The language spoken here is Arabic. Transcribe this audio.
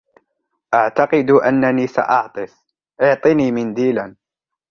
أعتقد أنني سأعطس. أعطني منديلاً.